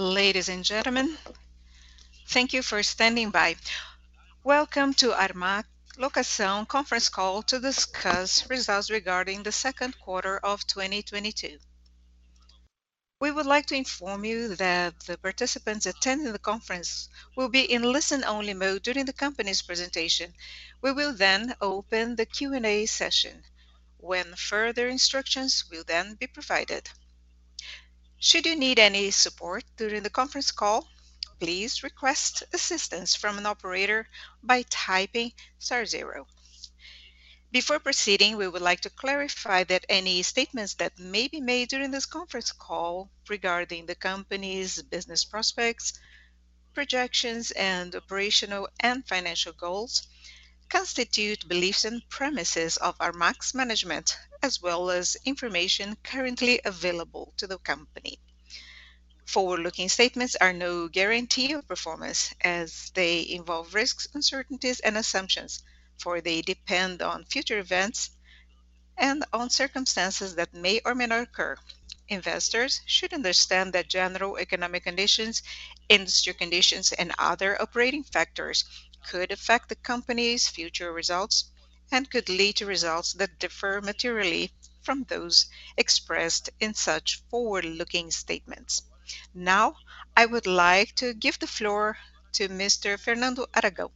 Ladies and gentlemen, thank you for standing by. Welcome to Armac Locação conference call to discuss results regarding the second quarter of 2022. We would like to inform you that the participants attending the conference will be in listen-only mode during the company's presentation. We will then open the Q&A session when further instructions will then be provided. Should you need any support during the conference call, please request assistance from an operator by typing star zero. Before proceeding, we would like to clarify that any statements that may be made during this conference call regarding the company's business prospects, projections, and operational and financial goals constitute beliefs and premises of Armac's management, as well as information currently available to the company. Forward-looking statements are no guarantee of performance as they involve risks, uncertainties, and assumptions, for they depend on future events and on circumstances that may or may not occur. Investors should understand that general economic conditions, industry conditions, and other operating factors could affect the company's future results and could lead to results that differ materially from those expressed in such forward-looking statements. Now, I would like to give the floor to Mr. Fernando Aragão,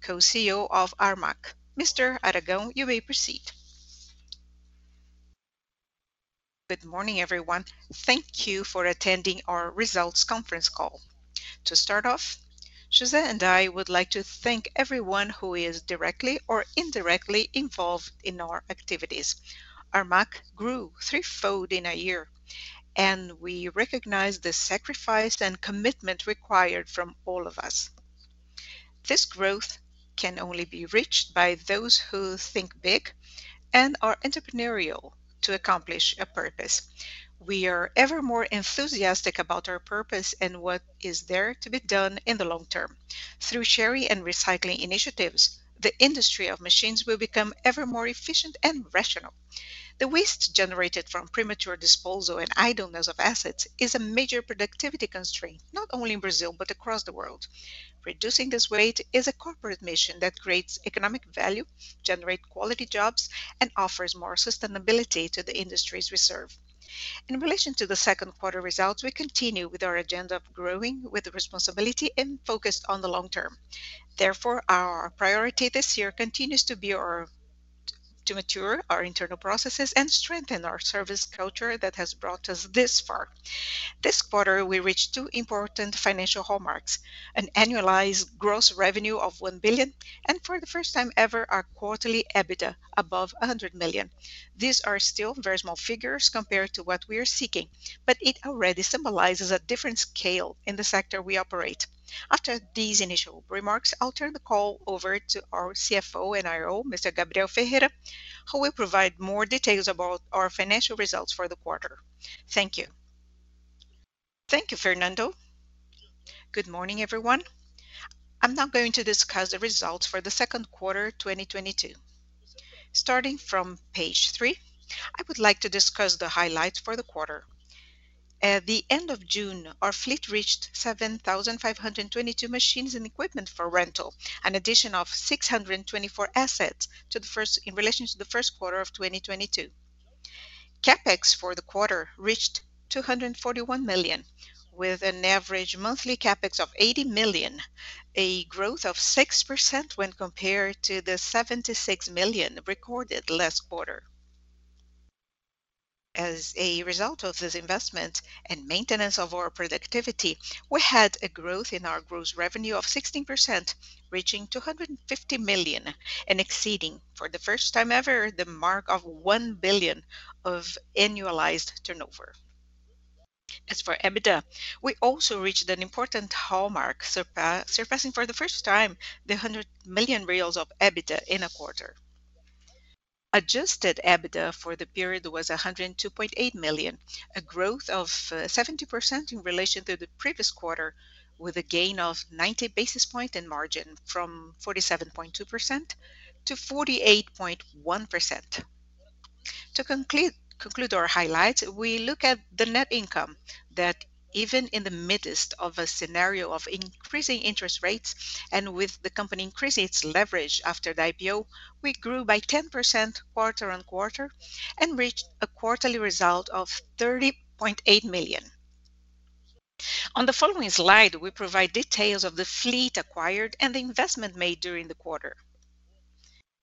co-CEO of Armac. Mr. Aragão, you may proceed. Good morning, everyone. Thank you for attending our results conference call. To start off, José and I would like to thank everyone who is directly or indirectly involved in our activities. Armac grew threefold in a year, and we recognize the sacrifice and commitment required from all of us. This growth can only be reached by those who think big and are entrepreneurial to accomplish a purpose. We are ever more enthusiastic about our purpose and what is there to be done in the long term. Through sharing and recycling initiatives, the industry of machines will become ever more efficient and rational. The waste generated from premature disposal and idleness of assets is a major productivity constraint, not only in Brazil, but across the world. Reducing this weight is a corporate mission that creates economic value, generate quality jobs, and offers more sustainability to the industries we serve. In relation to the second quarter results, we continue with our agenda of growing with responsibility and focused on the long term. Therefore, our priority this year continues to be to mature our internal processes and strengthen our service culture that has brought us this far. This quarter, we reached two important financial hallmarks, an annualized gross revenue of 1 billion and, for the first time ever, our quarterly EBITDA above 100 million. These are still very small figures compared to what we are seeking, but it already symbolizes a different scale in the sector we operate. After these initial remarks, I'll turn the call over to our CFO and IRO, Mr. Gabriel Ferreira, who will provide more details about our financial results for the quarter. Thank you. Thank you, Fernando. Good morning, everyone. I'm now going to discuss the results for the second quarter 2022. Starting from page 3, I would like to discuss the highlights for the quarter. At the end of June, our fleet reached 7,522 machines and equipment for rental, an addition of 624 assets in relation to the first quarter of 2022. CapEx for the quarter reached 241 million, with an average monthly CapEx of 80 million, a growth of 6% when compared to the 76 million recorded last quarter. As a result of this investment and maintenance of our productivity, we had a growth in our gross revenue of 16%, reaching 250 million and exceeding, for the first time ever, the mark of 1 billion of annualized turnover. As for EBITDA, we also reached an important hallmark, surpassing for the first time 100 million reais of EBITDA in a quarter. Adjusted EBITDA for the period was 102.8 million, a growth of 70% in relation to the previous quarter, with a gain of 90 basis points in margin from 47.2% to 48.1%. To conclude our highlights, we look at the net income that even in the midst of a scenario of increasing interest rates and with the company increasing its leverage after the IPO, we grew by 10% quarter-on-quarter and reached a quarterly result of 30.8 million. On the following slide, we provide details of the fleet acquired and the investment made during the quarter.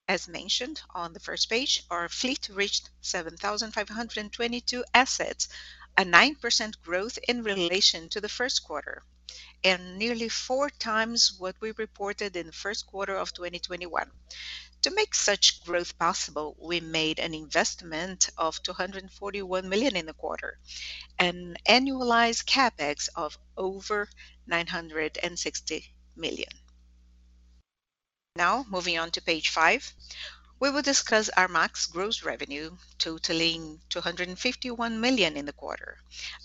As mentioned on the first page, our fleet reached 7,522 assets, a 9% growth in relation to the first quarter and nearly 4 times what we reported in the first quarter of 2021. To make such growth possible, we made an investment of 241 million in the quarter, an annualized CapEx of over 960 million. Now, moving on to page 5, we will discuss Armac's gross revenue totaling 251 million in the quarter,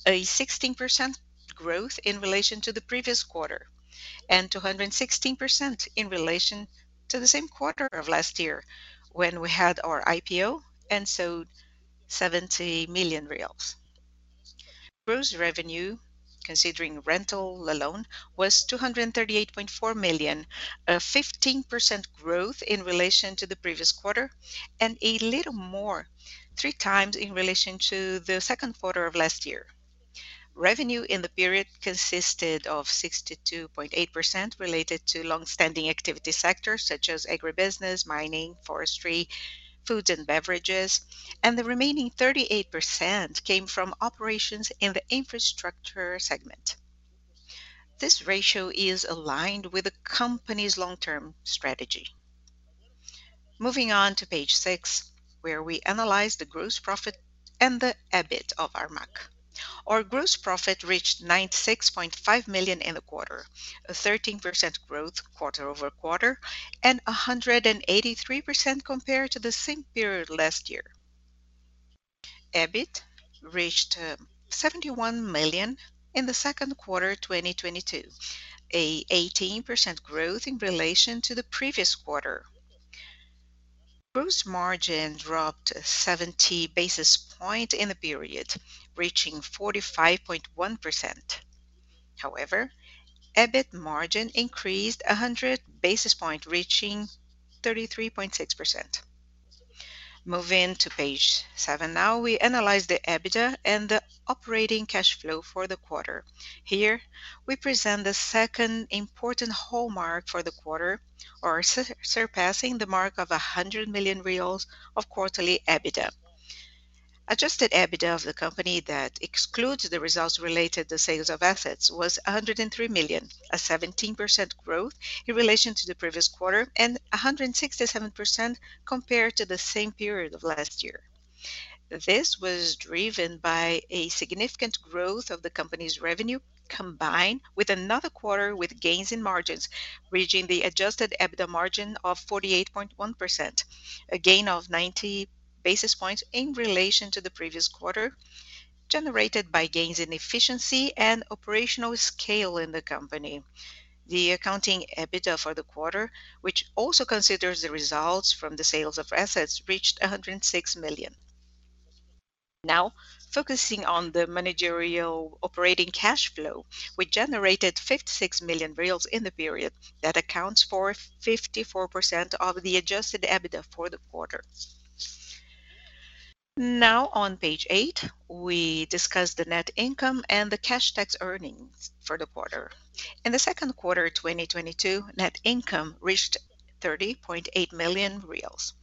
a 16% growth in relation to the previous quarter, and 216% in relation to the same quarter of last year when we had our IPO and sold 70 million reais. Gross revenue, considering rental alone, was 238.4 million, a 15% growth in relation to the previous quarter and a little more, 3 times in relation to the second quarter of last year. Revenue in the period consisted of 62.8% related to long-standing activity sectors such as agribusiness, mining, forestry, foods and beverages, and the remaining 38% came from operations in the infrastructure segment. This ratio is aligned with the company's long-term strategy. Moving on to page six, where we analyze the gross profit and the EBIT of Armac. Our gross profit reached 96.5 million in the quarter, a 13% growth quarter-over-quarter, and a 183% compared to the same period last year. EBIT reached 71 million in the second quarter 2022, an 18% growth in relation to the previous quarter. Gross margin dropped 70 basis points in the period, reaching 45.1%. However, EBIT margin increased 100 basis points, reaching 33.6%. Moving to page 7 now, we analyze the EBITDA and the operating cash flow for the quarter. Here, we present the second important hallmark for the quarter, our surpassing the mark of 100 million reais of quarterly EBITDA. Adjusted EBITDA of the company that excludes the results related to sales of assets was 103 million, a 17% growth in relation to the previous quarter, and 167% compared to the same period of last year. This was driven by a significant growth of the company's revenue, combined with another quarter with gains in margins, reaching the adjusted EBITDA margin of 48.1%, a gain of 90 basis points in relation to the previous quarter, generated by gains in efficiency and operational scale in the company. The accounting EBITDA for the quarter, which also considers the results from the sales of assets, reached 106 million. Now focusing on the managerial operating cash flow, we generated 56 million in the period. That accounts for 54% of the adjusted EBITDA for the quarter. Now on page eight, we discuss the net income and the cash tax earnings for the quarter. In the second quarter 2022, net income reached 30.8 million reais,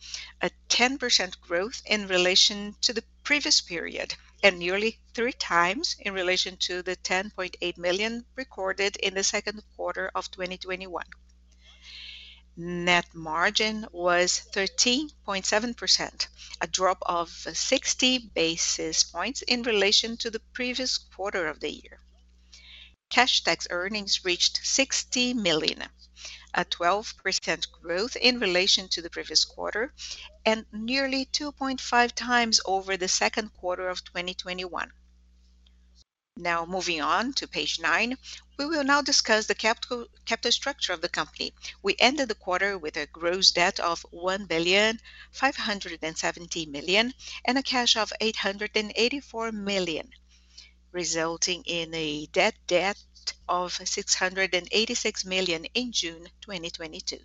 a 10% growth in relation to the previous period and nearly three times in relation to the 10.8 million recorded in the second quarter of 2021. Net margin was 13.7%, a drop of 60 basis points in relation to the previous quarter of the year. Cash tax earnings reached 60 million, a 12% growth in relation to the previous quarter and nearly 2.5 times over the second quarter of 2021. Now moving on to page nine, we will now discuss the capital structure of the company. We ended the quarter with a gross debt of 1.57 billion and a cash of 884 million, resulting in a net debt of 686 million in June 2022.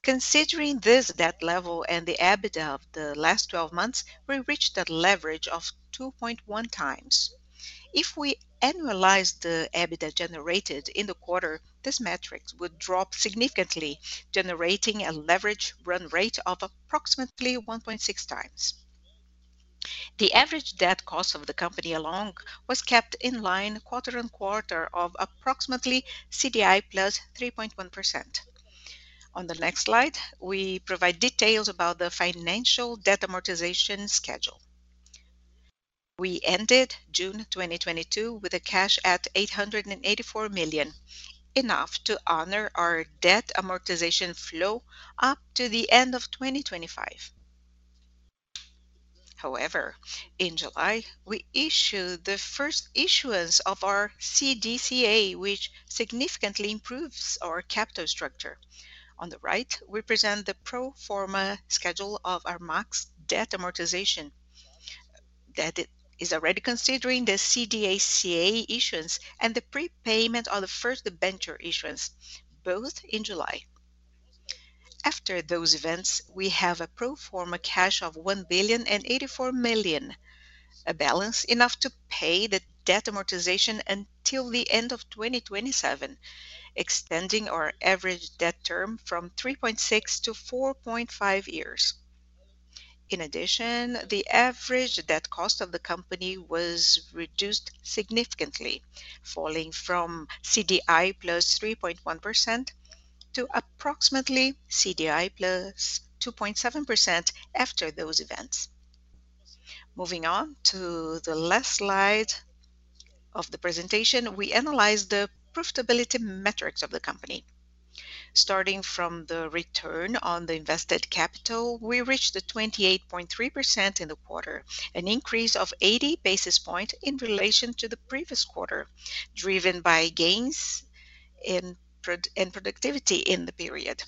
Considering this debt level and the EBITDA of the last 12 months, we reached a leverage of 2.1x. If we annualize the EBITDA generated in the quarter, this metric would drop significantly, generating a leverage run rate of approximately 1.6x. The average debt cost of the company alone was kept in line quarter-over-quarter of approximately CDI plus 3.1%. On the next slide, we provide details about the financial debt amortization schedule. We ended June 2022 with cash at 884 million, enough to honor our debt amortization flow up to the end of 2025. However, in July, we issued the first issuance of our CDCA, which significantly improves our capital structure. On the right, we present the pro forma schedule of Armac's debt amortization that is already considering the CDCA issuance and the prepayment of the first debenture issuance, both in July. After those events, we have a pro forma cash of 1.084 billion, a balance enough to pay the debt amortization until the end of 2027, extending our average debt term from 3.6-4.5 years. In addition, the average debt cost of the company was reduced significantly, falling from CDI + 3.1% to approximately CDI + 2.7% after those events. Moving on to the last slide of the presentation, we analyze the profitability metrics of the company. Starting from the return on the invested capital, we reached a 28.3% in the quarter, an increase of 80 basis points in relation to the previous quarter, driven by gains in productivity in the period.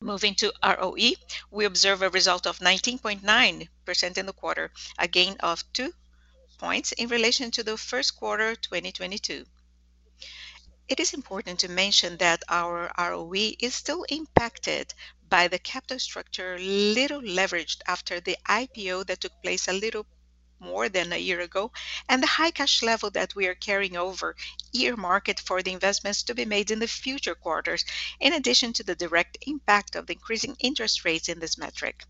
Moving to ROE, we observe a result of 19.9% in the quarter, a gain of 2 points in relation to the first quarter 2022. It is important to mention that our ROE is still impacted by the capital structure, little leveraged after the IPO that took place a little more than a year ago, and the high cash level that we are carrying, earmarked for the investments to be made in the future quarters, in addition to the direct impact of the increasing interest rates in this metric.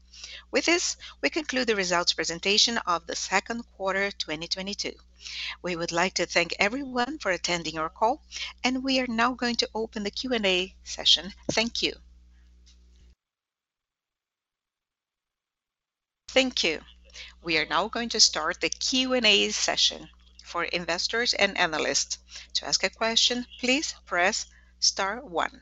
With this, we conclude the results presentation of the second quarter 2022. We would like to thank everyone for attending our call, and we are now going to open the Q&A session. Thank you. Thank you. We are now going to start the Q&A session for investors and analysts. To ask a question, please press *1.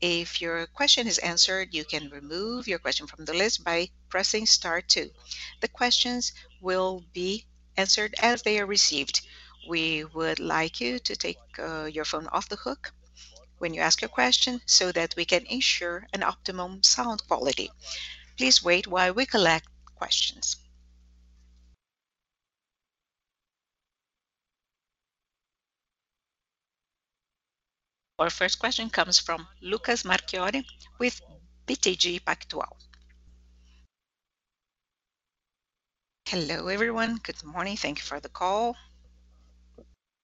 If your question is answered, you can remove your question from the list by pressing *2. The questions will be answered as they are received. We would like you to take your phone off the hook when you ask a question so that we can ensure an optimum sound quality. Please wait while we collect questions. Our first question comes from Lucas Marquiori with BTG Pactual. Hello, everyone. Good morning. Thank you for the call.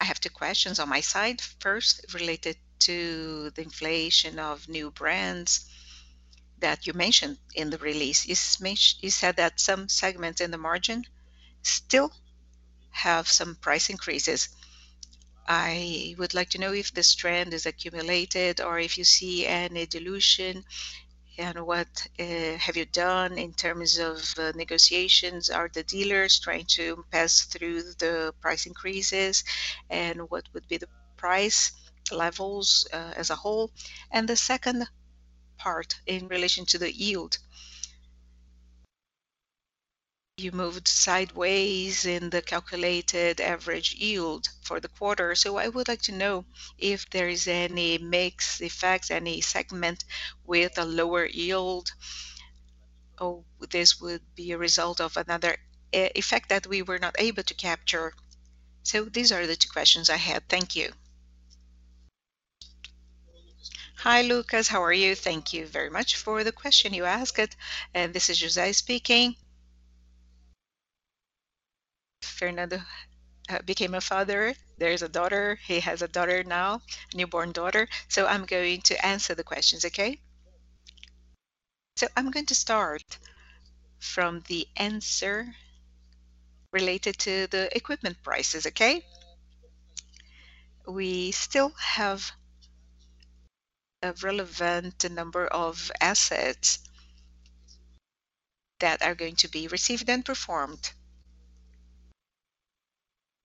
I have two questions on my side. First, related to the integration of new brands that you mentioned in the release you said that some segments in the margin still have some price increases. I would like to know if this trend is accumulated or if you see any dilution, and what have you done in terms of negotiations? Are the dealers trying to pass through the price increases? What would be the price levels as a whole? The second part in relation to the yield. You moved sideways in the calculated average yield for the quarter. I would like to know if there is any mix effects, any segment with a lower yield, or this would be a result of another effect that we were not able to capture. These are the two questions I had. Thank you. Hi, Lucas. How are you? Thank you very much for the question you asked. This is José speaking. Fernando became a father. There is a daughter. He has a daughter now, a newborn daughter. I'm going to answer the questions, okay? I'm going to start from the answer related to the equipment prices, okay? We still have a relevant number of assets that are going to be received and performed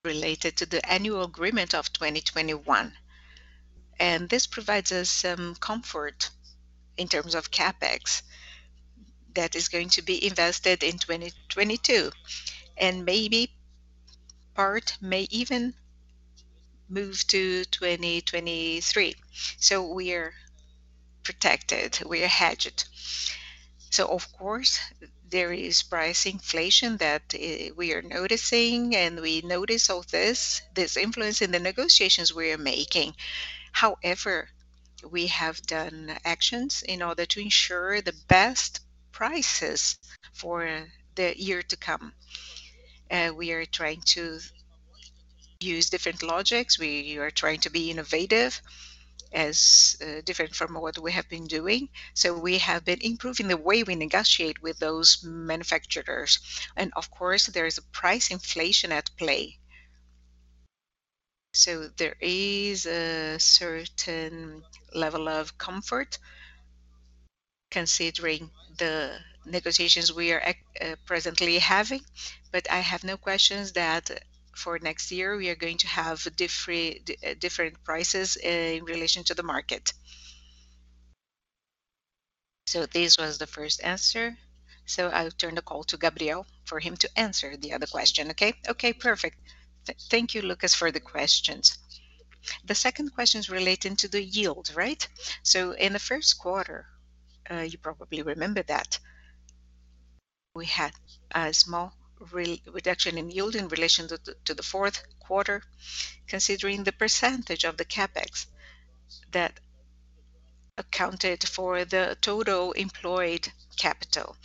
related to the annual agreement of 2021, and this provides us some comfort in terms of CapEx that is going to be invested in 2022, and maybe part may even move to 2023. We are protected. We are hedged. Of course, there is price inflation that we are noticing, and we notice all this influence in the negotiations we are making. However, we have done actions in order to ensure the best prices for the year to come. We are trying to use different logics. We are trying to be innovative as different from what we have been doing. We have been improving the way we negotiate with those manufacturers. Of course, there is a price inflation at play. There is a certain level of comfort considering the negotiations we are presently having. I have no questions that for next year we are going to have different prices in relation to the market. This was the first answer. I'll turn the call to Gabriel for him to answer the other question, okay? Okay. Perfect. Thank you, Lucas, for the questions. The second question is relating to the yield, right? In the first quarter, you probably remember that we had a small reduction in yield in relation to the fourth quarter, considering the percentage of the CapEx that accounted for the total employed capital.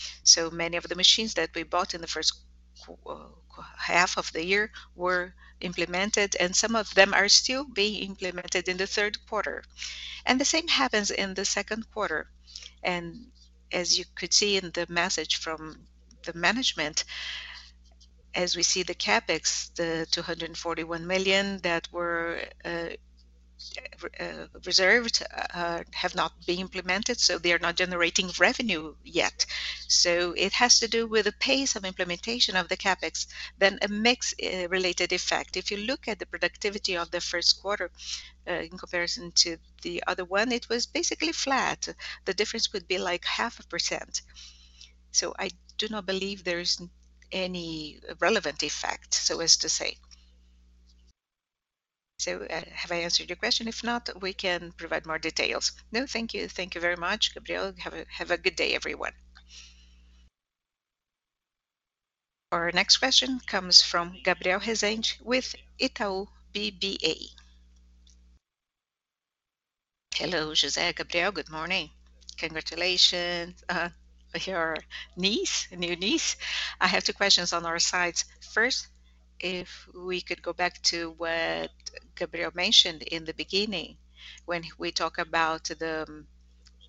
Many of the machines that we bought in the first half of the year were implemented, and some of them are still being implemented in the third quarter. The same happens in the second quarter. As you could see in the message from the management, as we see the CapEx, the 241 million that were reserved have not been implemented, so they are not generating revenue yet. It has to do with the pace of implementation of the CapEx, then a mix related effect. If you look at the productivity of the first quarter, in comparison to the other one, it was basically flat. The difference would be like 0.5%. I do not believe there's any relevant effect, so as to say. Have I answered your question? If not, we can provide more details. No, thank you. Thank you very much, Gabriel. Have a good day, everyone. Our next question comes from Gabriel Rezende with Itaú BBA. Hello, José, Gabriel. Good morning. Congratulations on your new niece. I have two questions on our sides. First, if we could go back to what Gabriel mentioned in the beginning when we talk about the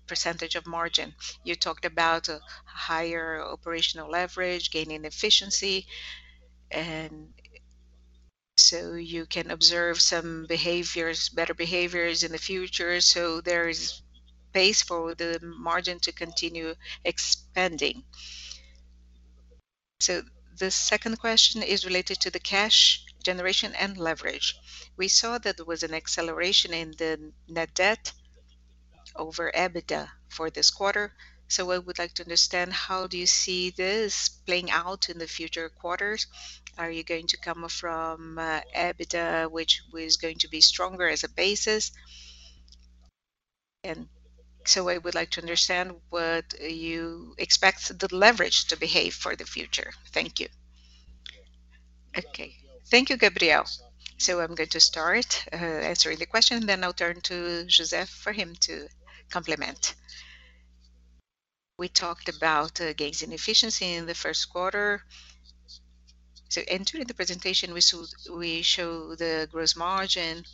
percentage of margin. You talked about higher operational leverage, gaining efficiency, and so you can observe some behaviors, better behaviors in the future. There is space for the margin to continue expanding. The second question is related to the cash generation and leverage. We saw that there was an acceleration in the net debt over EBITDA for this quarter. I would like to understand how do you see this playing out in the future quarters. Are you going to come from EBITDA, which was going to be stronger as a basis? I would like to understand what you expect the leverage to behave for the future. Thank you. Okay. Thank you, Gabriel Rezende. I'm going to start answering the question, then I'll turn to José Augusto Carvalho Aragão for him to comment. We talked about gains in efficiency in the first quarter. In the presentation, we show the gross margin.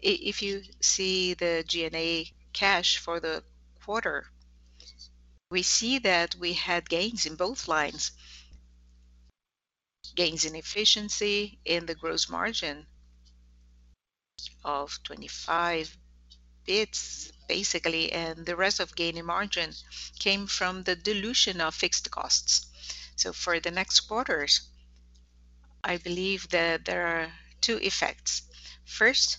If you see the G&A costs for the quarter, we see that we had gains in both lines. Gains in efficiency in the gross margin of 25 basis points, basically, and the rest of gain in margin came from the dilution of fixed costs. For the next quarters, I believe that there are two effects. First,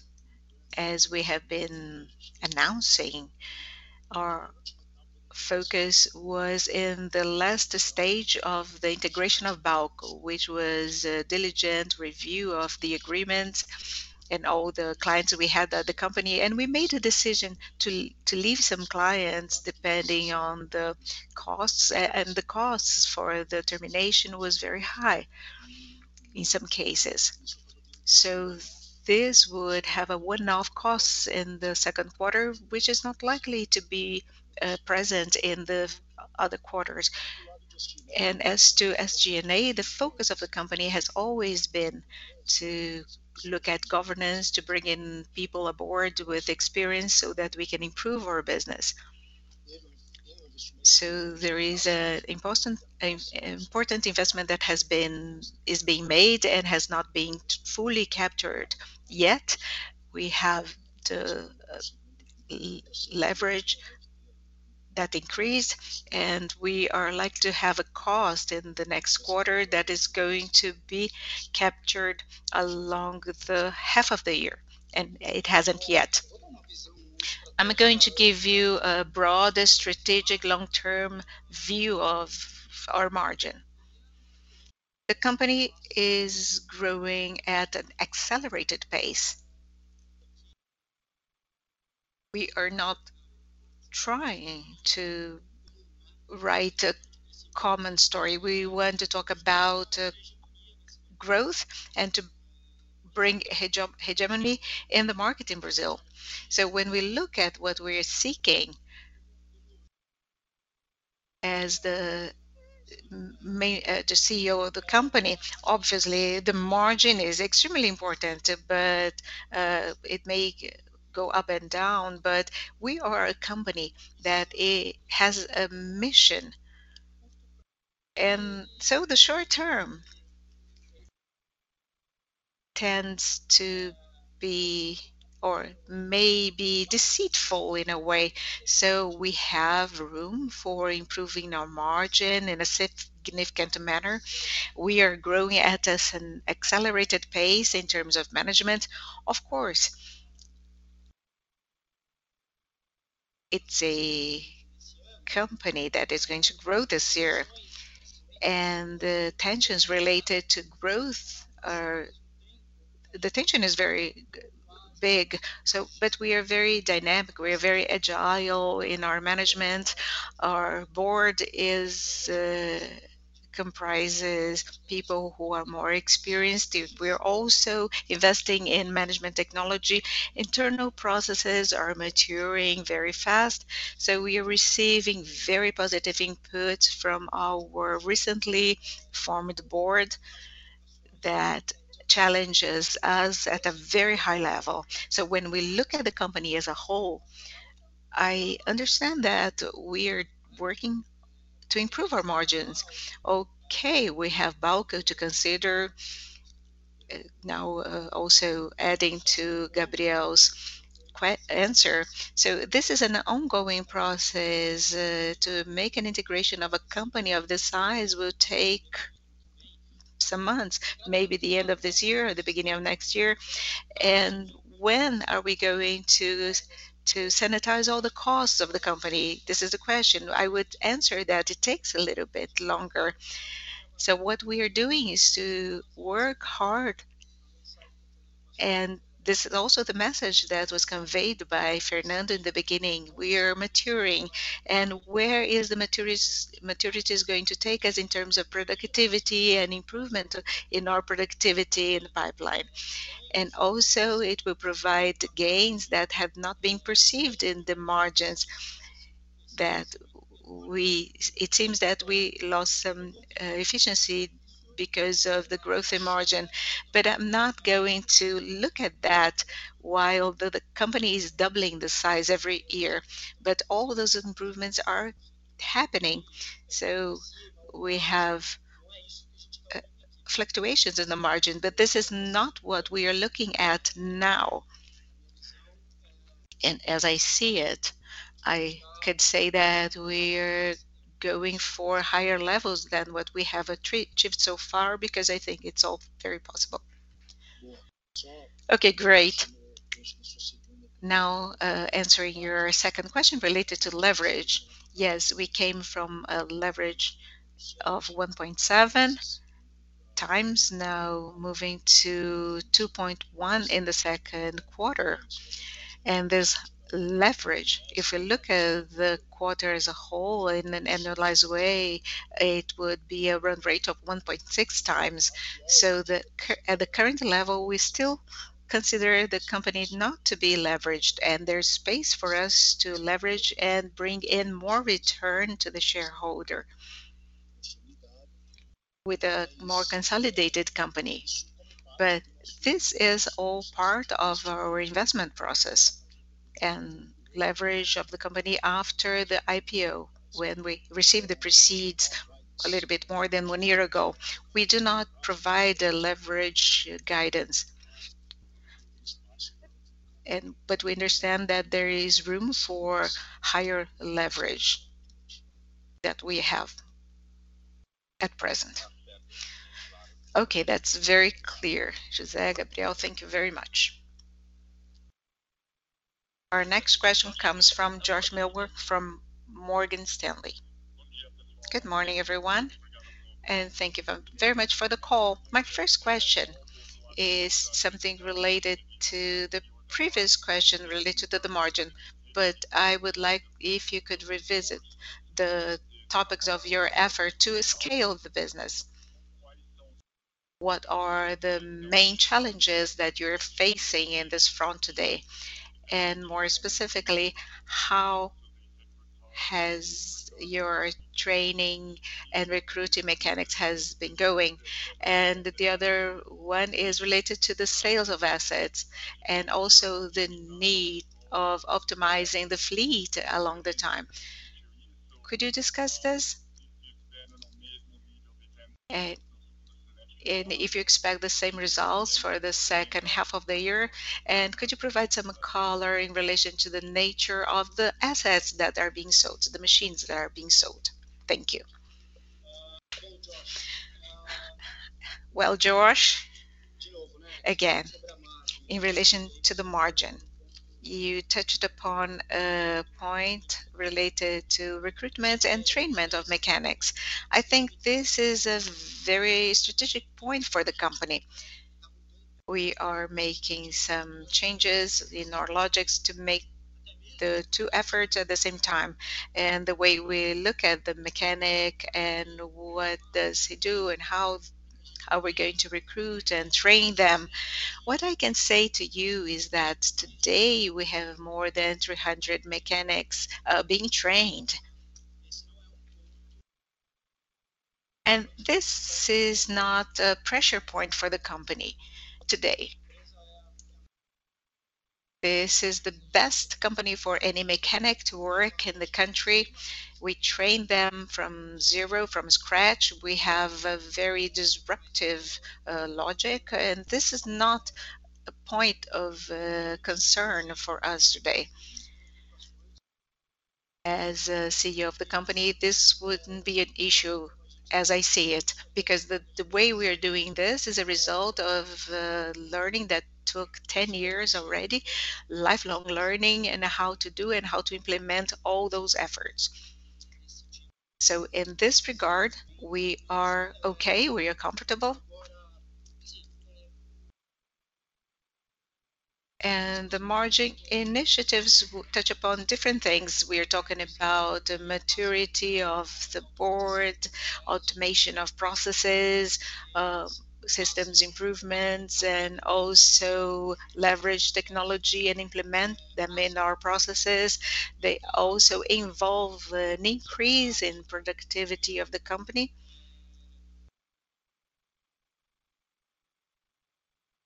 as we have been announcing, our focus was in the last stage of the integration of Bauko, which was a diligent review of the agreements and all the clients we had at the company. We made a decision to leave some clients depending on the costs, and the costs for the termination was very high in some cases. This would have a one-off cost in the second quarter, which is not likely to be present in the other quarters. As to SG&A, the focus of the company has always been to look at governance, to bring in people aboard with experience so that we can improve our business. There is an important investment that is being made and has not been fully captured yet. We have the leverage that increased, and we are likely to have a cost in the next quarter that is going to be captured in the first half of the year, and it hasn't yet. I'm going to give you a broader strategic long-term view of our margin. The company is growing at an accelerated pace. We are not trying to write a common story. We want to talk about growth and to bring hegemony in the market in Brazil. When we look at what we're seeking as the CEO of the company, obviously the margin is extremely important, but it may go up and down. We are a company that has a mission. The short term tends to be or may be deceitful in a way. We have room for improving our margin in a significant manner. We are growing at an accelerated pace in terms of management. Of course, it's a company that is going to grow this year, and the tensions related to growth are. The tension is very big. We are very dynamic. We are very agile in our management. Our board comprises people who are more experienced. We are also investing in management technology. Internal processes are maturing very fast. We are receiving very positive inputs from our recently formed board that challenges us at a very high level. When we look at the company as a whole, I understand that we are working to improve our margins. Okay, we have Bauko to consider. Now, also adding to Gabriel's Q&A answer. This is an ongoing process, to make an integration of a company of this size will take some months, maybe the end of this year or the beginning of next year. When are we going to sanitize all the costs of the company? This is the question. I would answer that it takes a little bit longer. What we are doing is to work hard. This is also the message that was conveyed by Fernando in the beginning. We are maturing, and where is the maturity going to take us in terms of productivity and improvement in our productivity in the pipeline. It will provide gains that have not been perceived in the margins. It seems that we lost some efficiency because of the growth in margin. I'm not going to look at that while the company is doubling the size every year. All those improvements are happening, so we have fluctuations in the margin, but this is not what we are looking at now. As I see it, I could say that we're going for higher levels than what we have achieved so far because I think it's all very possible. Okay, great. Now, answering your second question related to leverage. Yes, we came from a leverage of 1.7 times, now moving to 2.1 in the second quarter. There's leverage. If you look at the quarter as a whole in an annualized way, it would be a run rate of 1.6 times. At the current level, we still consider the company not to be leveraged, and there's space for us to leverage and bring in more return to the shareholder with a more consolidated company. This is all part of our investment process and leverage of the company after the IPO when we received the proceeds a little bit more than one year ago. We do not provide a leverage guidance. We understand that there is room for higher leverage that we have at present. Okay. That's very clear, José Gabriel. Thank you very much. Our next question comes from Josh Milberg from Morgan Stanley. Good morning, everyone, and thank you very much for the call. My first question is something related to the previous question related to the margin, but I would like if you could revisit the topics of your effort to scale the business. What are the main challenges that you're facing in this front today? More specifically, how has your training and recruiting mechanics has been going? The other one is related to the sales of assets and also the need of optimizing the fleet along the time. Could you discuss this? If you expect the same results for the second half of the year? Could you provide some color in relation to the nature of the assets that are being sold, the machines that are being sold? Thank you. Well, Josh, again, in relation to the margin, you touched upon a point related to recruitment and training of mechanics. I think this is a very strategic point for the company. We are making some changes in our logistics to make the two efforts at the same time, and the way we look at the mechanic and what does he do and how are we going to recruit and train them. What I can say to you is that today we have more than 300 mechanics being trained. This is not a pressure point for the company today. This is the best company for any mechanic to work in the country. We train them from zero, from scratch. We have a very disruptive logic, and this is not a point of concern for us today. As a CEO of the company, this wouldn't be an issue as I see it, because the way we are doing this is a result of learning that took 10 years already, lifelong learning and how to do and how to implement all those efforts. In this regard, we are okay. We are comfortable. The margin initiatives will touch upon different things. We are talking about the maturity of the board, automation of processes, systems improvements, and also leverage technology and implement them in our processes. They also involve an increase in productivity of the company.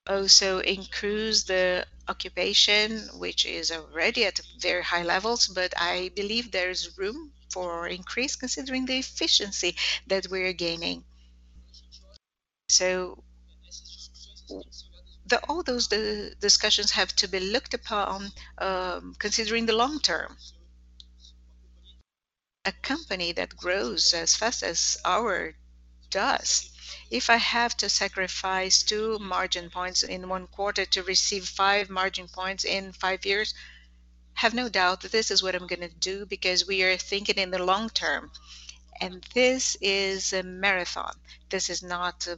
Also increase the occupation, which is already at very high levels. I believe there is room for increase considering the efficiency that we are gaining. All those discussions have to be looked upon, considering the long term. A company that grows as fast as ours does, if I have to sacrifice 2 margin points in one quarter to receive 5 margin points in 5 years. Have no doubt that this is what I'm gonna do because we are thinking in the long term, and this is a marathon. This is not a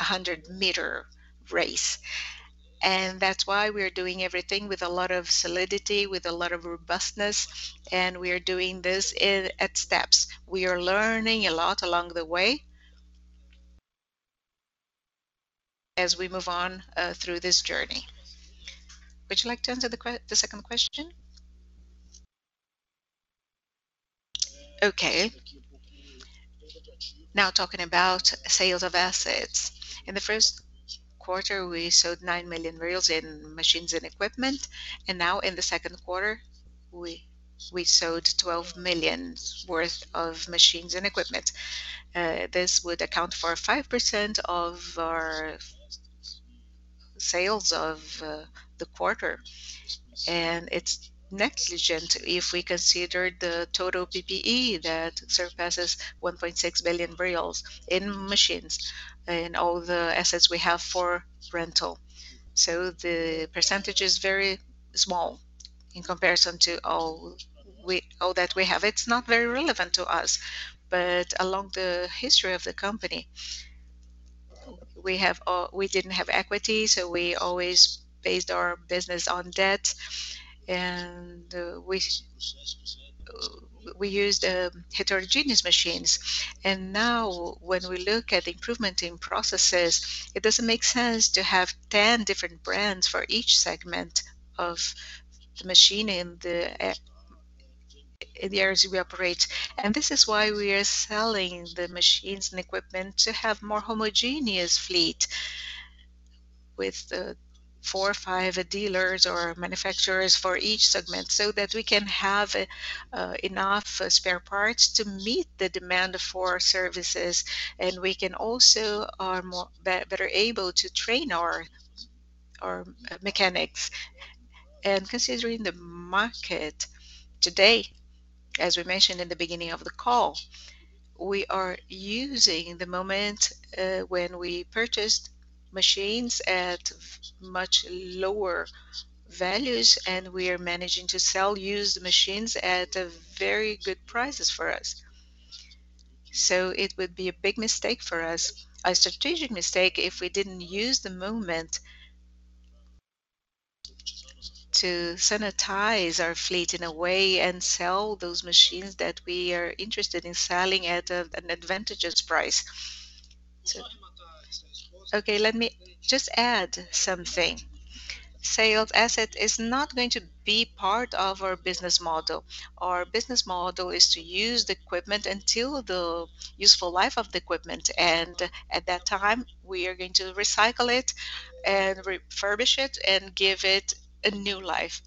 100-meter race. That's why we're doing everything with a lot of solidity, with a lot of robustness, and we are doing this at steps. We are learning a lot along the way as we move on through this journey. Would you like to answer the second question? Okay. Now talking about sales of assets. In the first quarter, we sold 9 million in machines and equipment, and now in the second quarter, we sold 12 million worth of machines and equipment. This would account for 5% of our sales of the quarter. It's negligible if we consider the total PPE that surpasses 1.6 billion BRL in machines and all the assets we have for rental. The percentage is very small in comparison to all that we have. It's not very relevant to us. Along the history of the company, we didn't have equity, so we always based our business on debt, and we used heterogeneous machines. Now, when we look at improvement in processes, it doesn't make sense to have 10 different brands for each segment of the machine in the areas we operate. This is why we are selling the machines and equipment to have more homogeneous fleet with four or five dealers or manufacturers for each segment, so that we can have enough spare parts to meet the demand for our services, and we can also be better able to train our mechanics. Considering the market today, as we mentioned in the beginning of the call, we are using the moment when we purchased machines at much lower values, and we are managing to sell used machines at very good prices for us. It would be a big mistake for us, a strategic mistake, if we didn't use the moment to sanitize our fleet in a way and sell those machines that we are interested in selling at an advantageous price. Okay, let me just add something. Sales of assets is not going to be part of our business model. Our business model is to use the equipment until the useful life of the equipment, and at that time, we are going to recycle it and refurbish it and give it a new life.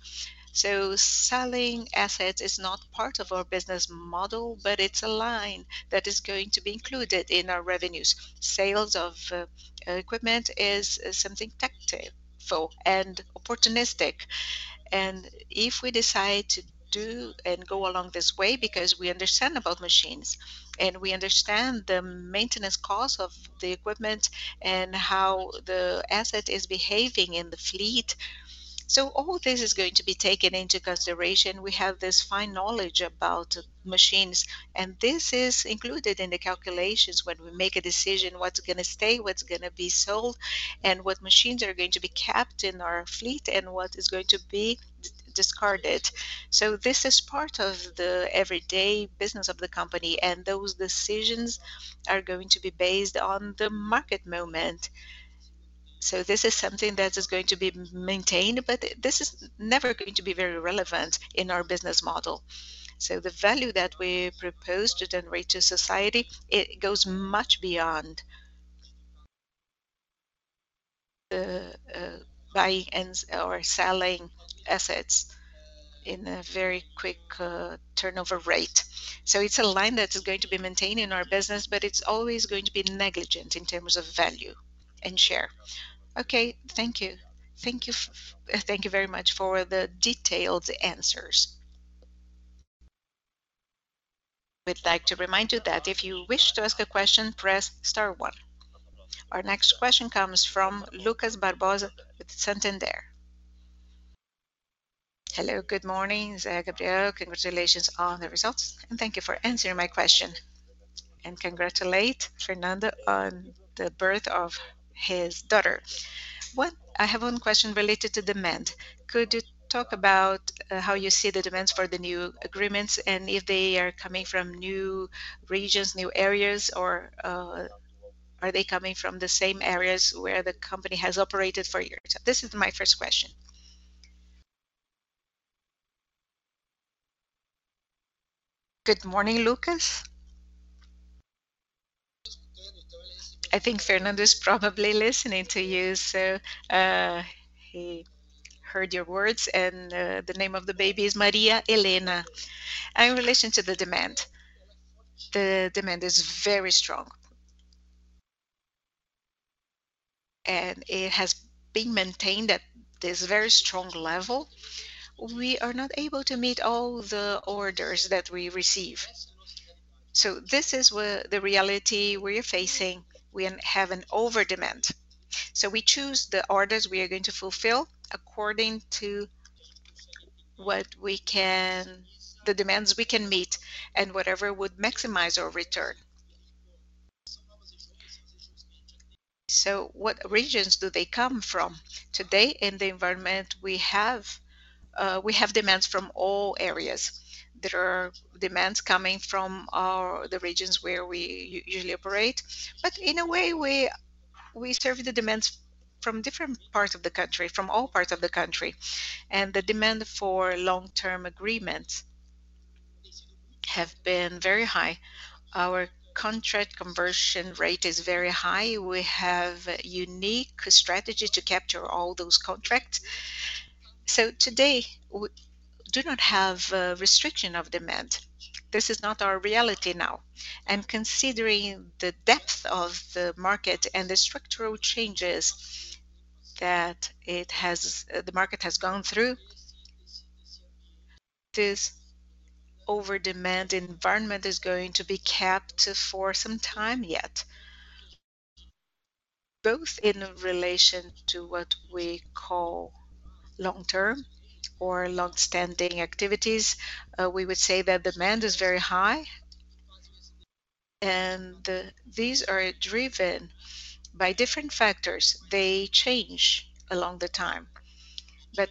Selling assets is not part of our business model, but it's a line that is going to be included in our revenues. Sales of equipment is something tactical and opportunistic. If we decide to do and go along this way because we understand about machines and we understand the maintenance cost of the equipment and how the asset is behaving in the fleet. All this is going to be taken into consideration. We have this fine knowledge about machines, and this is included in the calculations when we make a decision, what's gonna stay, what's gonna be sold, and what machines are going to be kept in our fleet and what is going to be discarded. This is part of the everyday business of the company, and those decisions are going to be based on the market moment. This is something that is going to be maintained, but this is never going to be very relevant in our business model. The value that we propose to generate to society, it goes much beyond, buying or selling assets in a very quick turnover rate. It's a line that is going to be maintained in our business, but it's always going to be negligible in terms of value and share. Okay, thank you. Thank you very much for the detailed answers. We'd like to remind you that if you wish to ask a question, press *1. Our next question comes from Lucas Barbosa with Santander. Hello, good morning, Zé Gabriel. Congratulations on the results, and thank you for answering my question. Congratulate Fernando on the birth of his daughter. I have one question related to demand. Could you talk about how you see the demands for the new agreements and if they are coming from new regions, new areas, or are they coming from the same areas where the company has operated for years? This is my first question. Good morning, Lucas. I think Fernando is probably listening to you, so he heard your words, and the name of the baby is Maria Helena. In relation to the demand, the demand is very strong. It has been maintained at this very strong level. We are not able to meet all the orders that we receive. This is where the reality we're facing. We have an over-demand. We choose the orders we are going to fulfill according to what we can, the demands we can meet and whatever would maximize our return. What regions do they come from? Today in the environment we have, we have demands from all areas. There are demands coming from the regions where we usually operate. In a way, we serve the demands from different parts of the country, from all parts of the country. The demand for long-term agreements have been very high. Our contract conversion rate is very high. We have a unique strategy to capture all those contracts. Today we do not have a restriction of demand. This is not our reality now. Considering the depth of the market and the structural changes that the market has gone through, this over-demand environment is going to be kept for some time yet. Both in relation to what we call long-term or longstanding activities, we would say that demand is very high and these are driven by different factors. They change along the time.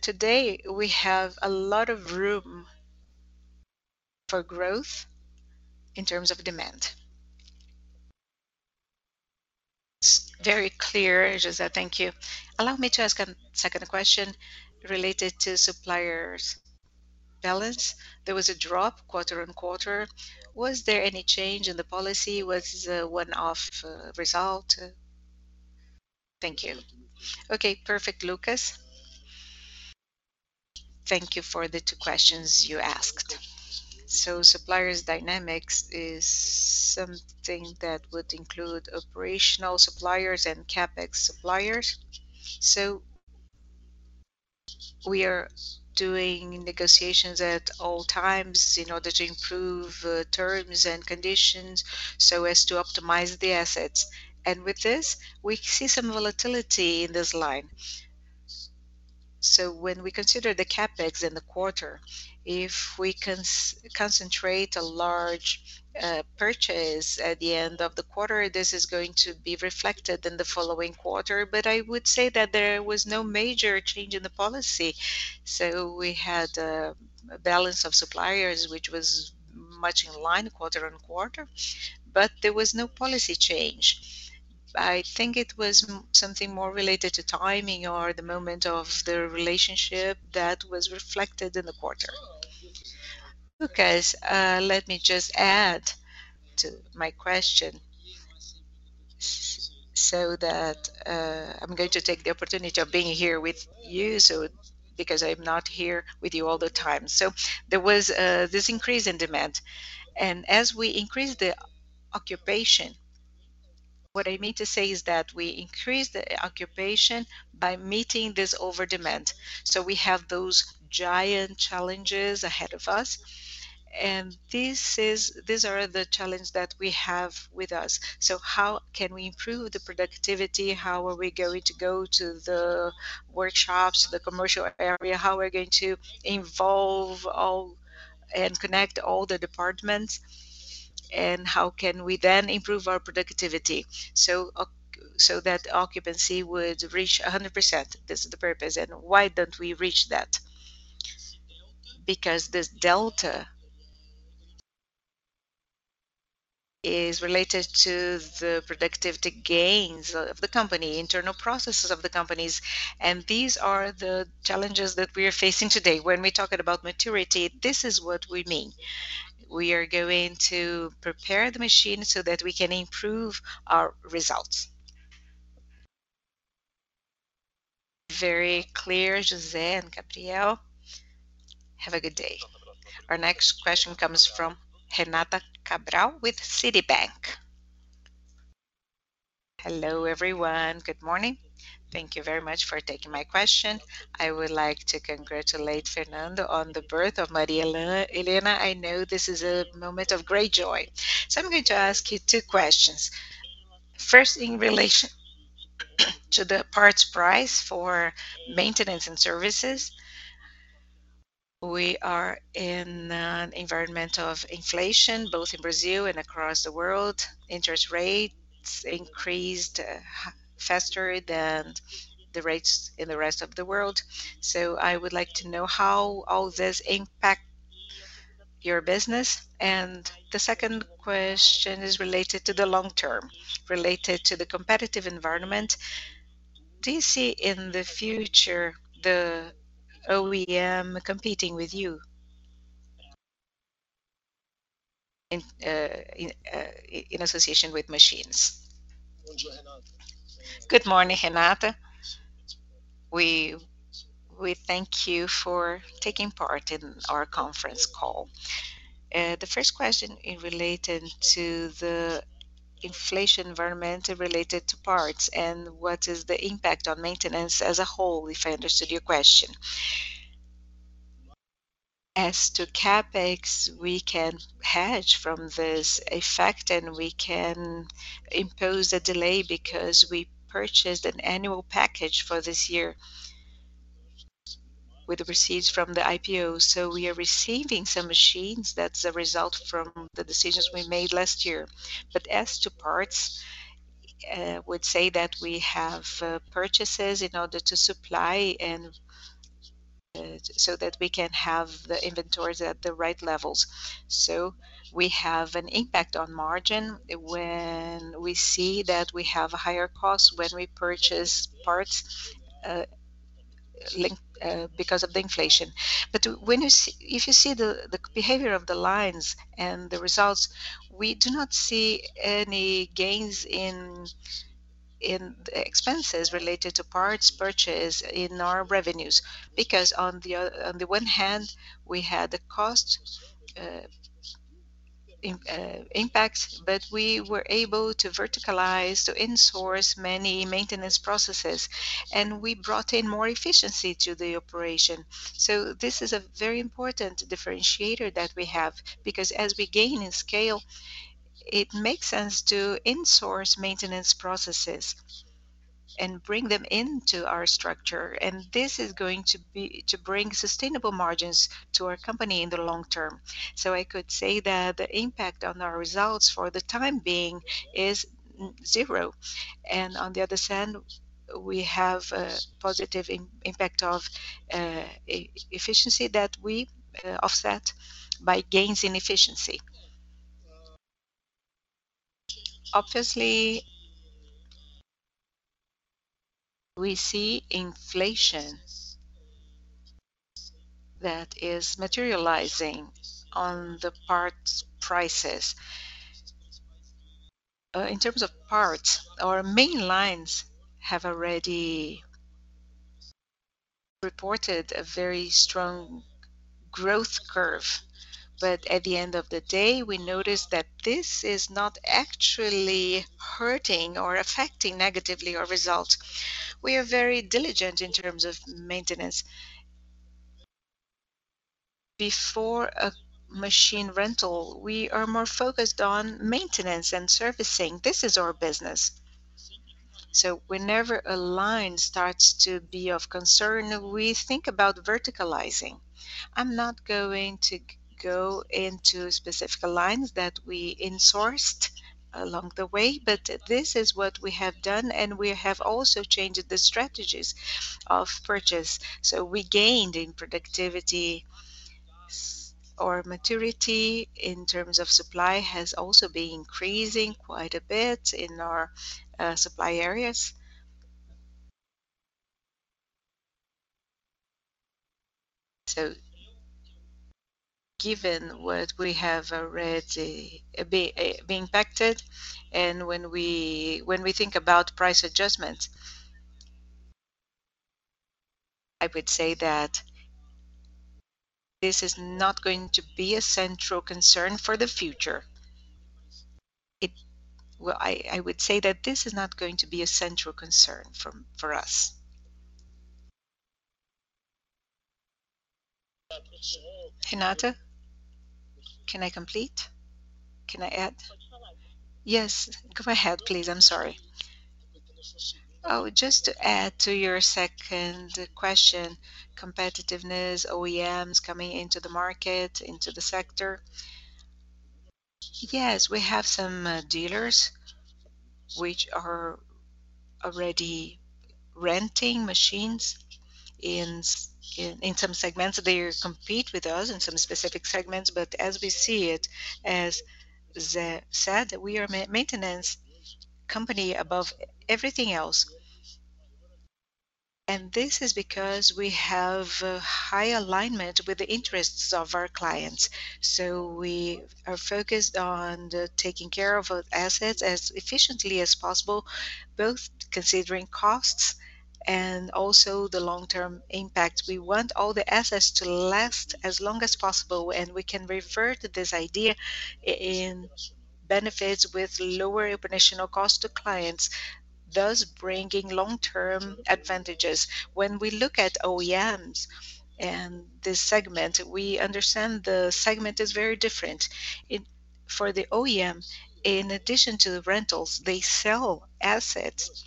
Today we have a lot of room for growth in terms of demand. It's very clear, José. Thank you. Allow me to ask a second question related to suppliers balance. There was a drop quarter on quarter. Was there any change in the policy? Was it a one-off result? Thank you. Okay, perfect, Lucas. Thank you for the two questions you asked. Suppliers dynamics is something that would include operational suppliers and CapEx suppliers. We are doing negotiations at all times in order to improve terms and conditions so as to optimize the assets. With this, we see some volatility in this line. When we consider the CapEx in the quarter, if we concentrate a large purchase at the end of the quarter, this is going to be reflected in the following quarter. I would say that there was no major change in the policy. We had a balance of suppliers which was much in line quarter-on-quarter, but there was no policy change. I think it was something more related to timing or the moment of the relationship that was reflected in the quarter. Lucas, let me just add to my question so that I'm going to take the opportunity of being here with you because I'm not here with you all the time. There was this increase in demand, and as we increase the occupation. What I mean to say is that we increase the occupation by meeting this over-demand. We have those giant challenges ahead of us, and these are the challenge that we have with us. How can we improve the productivity? How are we going to go to the workshops, the commercial area? How we're going to involve all and connect all the departments? How can we then improve our productivity so that occupancy would reach 100%? This is the purpose. Why don't we reach that? Because this delta is related to the productivity gains of the company, internal processes of the companies, and these are the challenges that we are facing today. When we're talking about maturity, this is what we mean. We are going to prepare the machine so that we can improve our results. Very clear, José and Gabriel. Have a good day. Our next question comes from Renata Cabral with Citibank. Hello, everyone. Good morning. Thank you very much for taking my question. I would like to congratulate Fernando on the birth of Maria Helena. I know this is a moment of great joy. I'm going to ask you two questions. First, in relation to the parts price for maintenance and services. We are in an environment of inflation, both in Brazil and across the world. Interest rates increased faster than the rates in the rest of the world. I would like to know how all this impact your business. The second question is related to the long term, related to the competitive environment. Do you see in the future the OEM competing with you in association with machines? Good morning, Renata. We thank you for taking part in our conference call. The first question related to the inflation environment related to parts and what is the impact on maintenance as a whole, if I understood your question. As to CapEx, we can hedge from this effect and we can impose a delay because we purchased an annual package for this year with the proceeds from the IPO. We are receiving some machines that's a result from the decisions we made last year. As to parts, would say that we have purchases in order to supply and so that we can have the inventories at the right levels. We have an impact on margin when we see that we have higher costs when we purchase parts, like, because of the inflation. If you see the behavior of the lines and the results, we do not see any gains in expenses related to parts purchase in our revenues. On the one hand, we had a cost impact, but we were able to verticalize, to insource many maintenance processes, and we brought in more efficiency to the operation. This is a very important differentiator that we have, because as we gain in scale, it makes sense to insource maintenance processes and bring them into our structure. This is to bring sustainable margins to our company in the long term. I could say that the impact on our results for the time being is zero. On the other hand, we have a positive impact of efficiency that we offset by gains in efficiency. Obviously, we see inflation that is materializing on the parts prices. In terms of parts, our main lines have already reported a very strong growth curve. At the end of the day, we noticed that this is not actually hurting or affecting negatively our results. We are very diligent in terms of maintenance. Before a machine rental, we are more focused on maintenance and servicing. This is our business. Whenever a line starts to be of concern, we think about verticalizing. I'm not going to go into specific lines that we insourced along the way, but this is what we have done, and we have also changed the strategies of purchase. We gained in productivity. Our maturity in terms of supply has also been increasing quite a bit in our supply areas. Given what we have already been impacted and when we think about price adjustments, I would say that this is not going to be a central concern for the future. Well, I would say that this is not going to be a central concern for us. Renata, can I complete? Can I add? Yes. Go ahead, please. I'm sorry. Oh, just to add to your second question, competitiveness, OEMs coming into the market, into the sector. Yes, we have some dealers which are already renting machines in some segments. They compete with us in some specific segments. As we see it, as Zé said, we are maintenance company above everything else. This is because we have a high alignment with the interests of our clients. We are focused on the taking care of assets as efficiently as possible, both considering costs and also the long-term impact. We want all the assets to last as long as possible, and we can refer to this idea in benefits with lower operational cost to clients, thus bringing long-term advantages. When we look at OEMs and this segment, we understand the segment is very different. For the OEM, in addition to the rentals, they sell assets.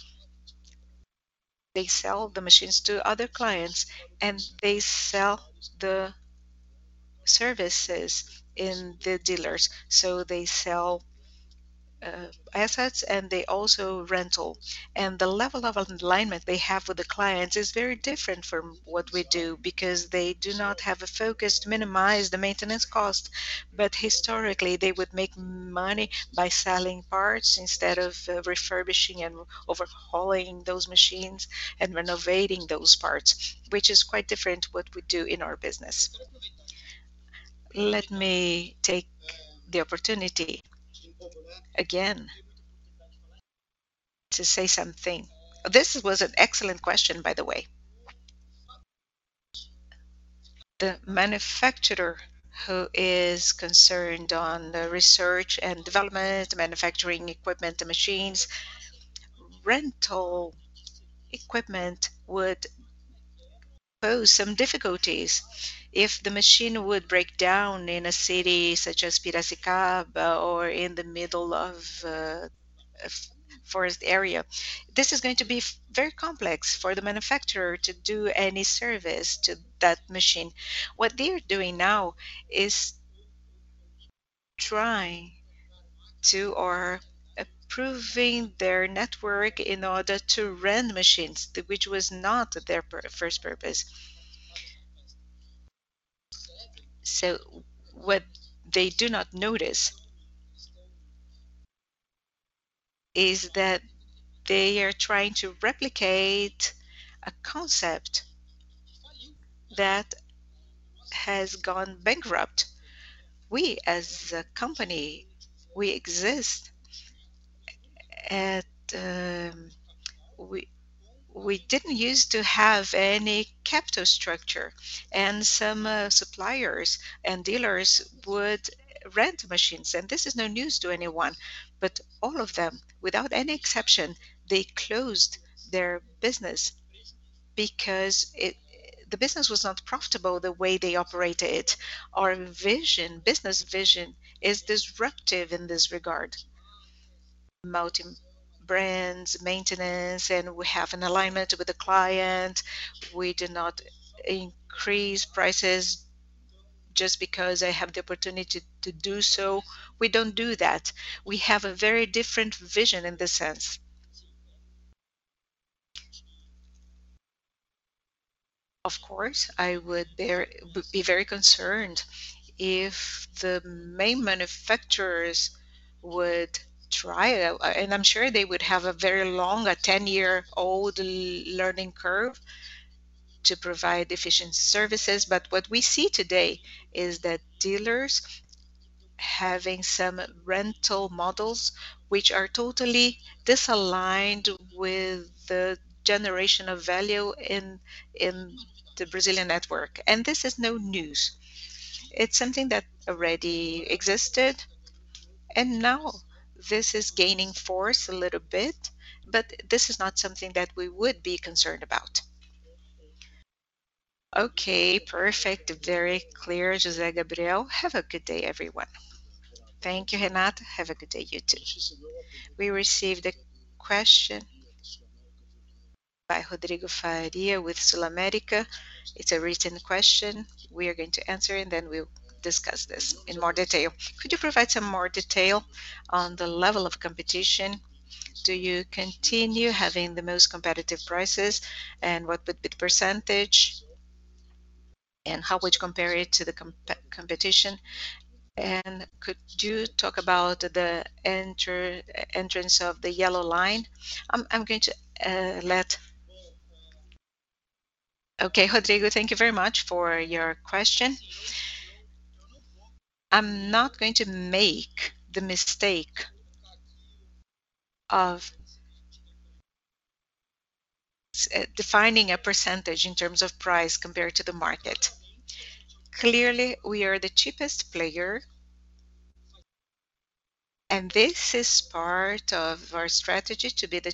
They sell the machines to other clients, and they sell the services in the dealers. They sell assets and they also rent. The level of alignment they have with the clients is very different from what we do because they do not have a focus to minimize the maintenance cost. Historically, they would make money by selling parts instead of refurbishing and overhauling those machines and renovating those parts, which is quite different to what we do in our business. Let me take the opportunity again to say something. This was an excellent question, by the way. The manufacturer who is concerned on the research and development, manufacturing equipment, the machines, rental equipment would pose some difficulties if the machine would break down in a city such as Piracicaba or in the middle of a forest area. This is going to be very complex for the manufacturer to do any service to that machine. What they are doing now is trying to expand their network in order to rent machines, which was not their first purpose. What they do not notice is that they are trying to replicate a concept that has gone bankrupt. We as a company exist. We didn't use to have any capital structure, and some suppliers and dealers would rent machines, and this is no news to anyone. All of them, without any exception, they closed their business because the business was not profitable the way they operated it. Our vision, business vision, is disruptive in this regard. Multi-brand, maintenance, and we have an alignment with the client. We do not increase prices just because I have the opportunity to do so. We don't do that. We have a very different vision in this sense. Of course, I would be very concerned if the main manufacturers would try. I'm sure they would have a very long, a ten-year-old learning curve to provide efficient services. What we see today is that dealers having some rental models which are totally misaligned with the generation of value in the Brazilian network. This is no news. It's something that already existed, and now this is gaining force a little bit. This is not something that we would be concerned about. Okay, perfect. Very clear, Zé Gabriel. Have a good day, everyone. Thank you, Renata. Have a good day, you too. We received a question by Rodrigo Faria with SulAmérica. It's a written question. We are going to answer, and then we'll discuss this in more detail. Could you provide some more detail on the level of competition? Do you continue having the most competitive prices, and what would be the percentage, and how would you compare it to the competition? Could you talk about the entrance of the yellow line? Okay, Rodrigo, thank you very much for your question. I'm not going to make the mistake of defining a percentage in terms of price compared to the market. Clearly, we are the cheapest player, and this is part of our strategy to be the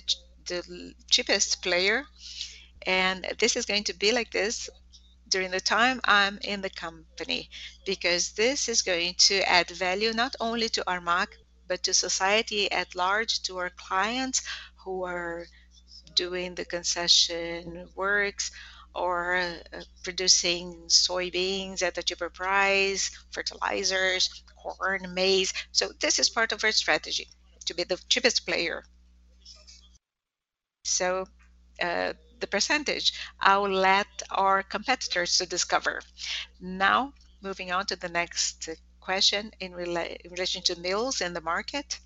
cheapest player. This is going to be like this during the time I'm in the company because this is going to add value not only to Armac, but to society at large, to our clients who are doing the concession works or producing soybeans at a cheaper price, fertilizers, corn, maize. This is part of our strategy, to be the cheapest player. The percentage, I will let our competitors to discover. Now, moving on to the next question in relation to Mills and the market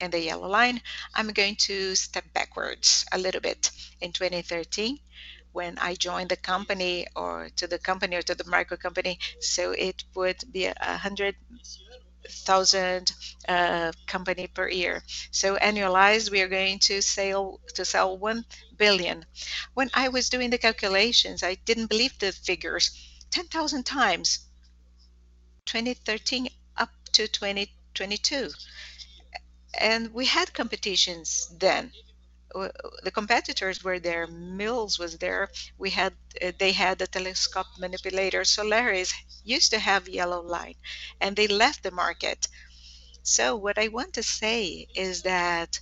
and the yellow line. I'm going to step backwards a little bit. In 2013, when I joined the company to the micro company, so it would be a 100,000 company per year. Annualized, we are going to sell 1 billion. When I was doing the calculations, I didn't believe the figures. 10,000 times, 2013 up to 2022. We had competitions then. The competitors were there. Mills was there. They had a telescopic handler. Solaris used to have yellow line, and they left the market. What I want to say is that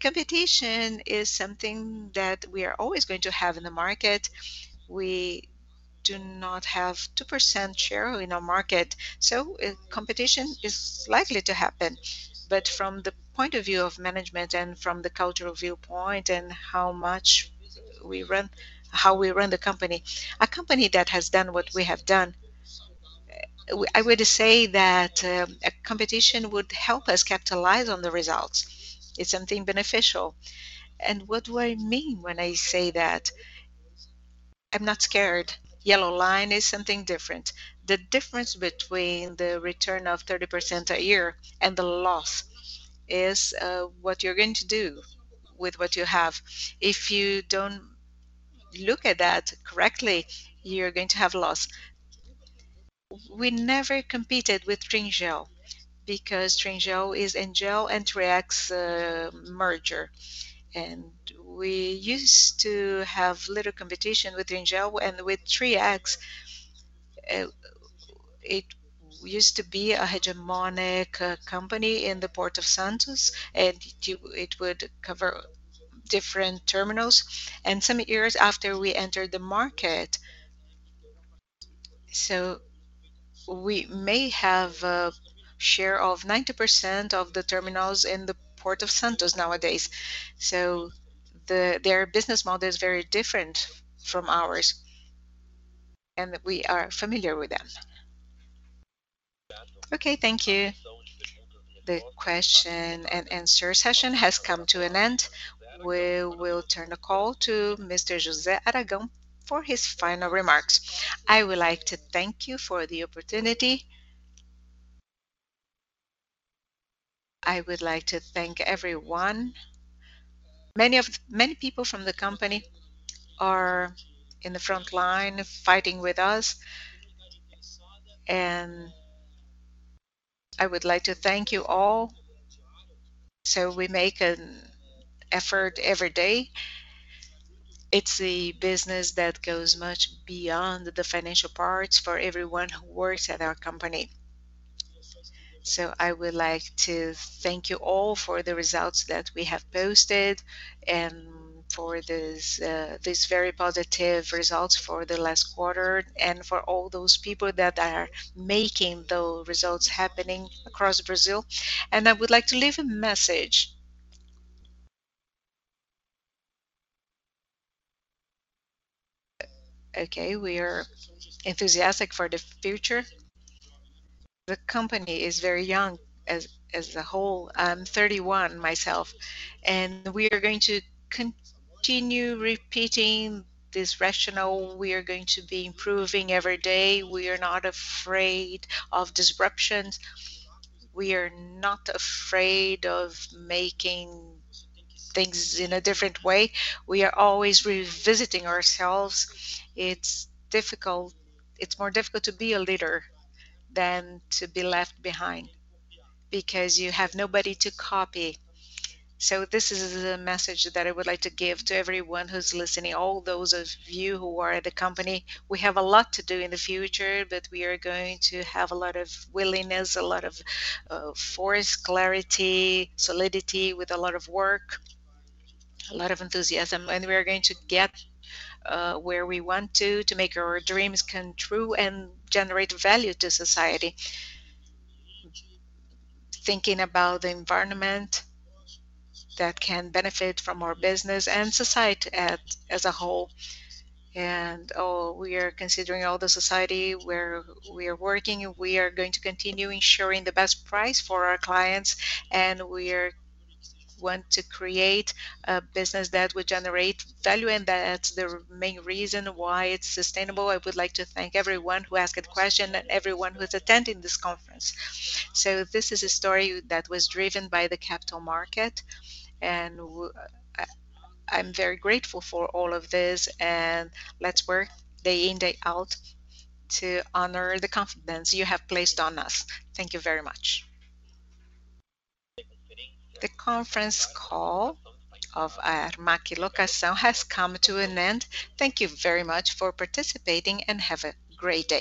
competition is something that we are always going to have in the market. We do not have 2% share in our market, so competition is likely to happen. But from the point of view of management and from the cultural viewpoint and how we run the company, a company that has done what we have done, I would say that competition would help us capitalize on the results. It's something beneficial. What do I mean when I say that? I'm not scared. Yellow line is something different. The difference between the return of 30% a year and the loss is what you're going to do with what you have. If you don't look at that correctly, you're going to have loss. We never competed with Triengel because Triengel is from the Hengel and Triex merger. We used to have little competition with Hengel and with Triex. It used to be a hegemonic company in the port of Santos, and it would cover different terminals, and some years after we entered the market. We may have a share of 90% of the terminals in the port of Santos nowadays. Their business model is very different from ours, and we are familiar with them. Okay, thank you. The question and answer session has come to an end. We will turn the call to Mr. José Augusto Carvalho Aragão for his final remarks. I would like to thank you for the opportunity. I would like to thank everyone. Many people from the company are in the front line fighting with us, and I would like to thank you all. We make an effort every day. It's a business that goes much beyond the financial parts for everyone who works at our company. I would like to thank you all for the results that we have posted and for these very positive results for the last quarter and for all those people that are making those results happening across Brazil. I would like to leave a message. Okay. We are enthusiastic for the future. The company is very young as a whole. I'm 31 myself, and we are going to continue repeating this rationale. We are going to be improving every day. We are not afraid of disruptions. We are not afraid of making things in a different way. We are always revisiting ourselves. It's difficult. It's more difficult to be a leader than to be left behind because you have nobody to copy. This is the message that I would like to give to everyone who's listening. All those of you who are at the company, we have a lot to do in the future, but we are going to have a lot of willingness, a lot of force, clarity, solidity with a lot of work, a lot of enthusiasm, and we are going to get where we want to make our dreams come true and generate value to society. Thinking about the environment that can benefit from our business and society as a whole. We are considering all the society where we are working. We are going to continue ensuring the best price for our clients, and we want to create a business that will generate value, and that's the main reason why it's sustainable. I would like to thank everyone who asked a question and everyone who's attending this conference. This is a story that was driven by the capital market, and I'm very grateful for all of this. Let's work day in, day out to honor the confidence you have placed on us. Thank you very much. The conference call of Armac Locação has come to an end. Thank you very much for participating, and have a great day.